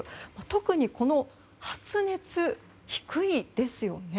特に発熱、低いですよね。